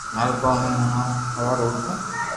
مارو ڪوم ھي ھوالڙو اوٺوو